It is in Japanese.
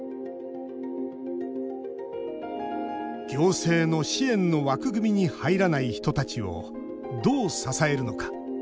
行政の支援の枠組みに入らない人たちをどう支えるのか。